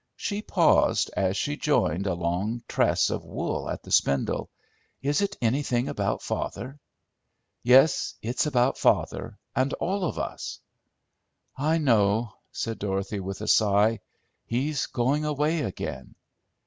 She paused as she joined a long tress of wool at the spindle. "Is it anything about father?" "Yes, it's about father, and all of us." "I know," said Dorothy, with a sigh. "He's going away again!"